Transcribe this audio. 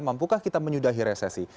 mampukah kita menyudahi resesi